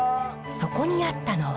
そこにあったのは。